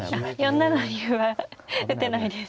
４七に歩は打てないですね。